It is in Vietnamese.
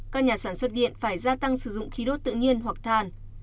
các nhà sản xuất điện phải gia tăng sử dụng khí đốt tự nhiên hoặc than